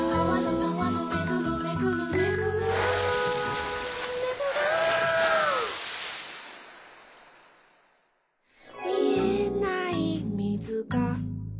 「めぐる」「みえないみずが」